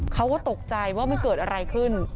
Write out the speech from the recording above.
เขาก็ตกใจว่ามันเกิดอะไรขึ้น